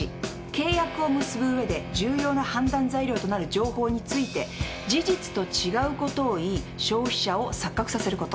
契約を結ぶうえで重要な判断材料となる情報について事実と違うことを言い消費者を錯覚させること。